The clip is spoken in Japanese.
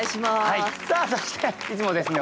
そしていつもですね